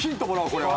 これは。